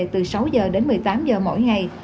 từ sáu h đến một mươi tám h mỗi ngày